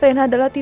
terima kasih bu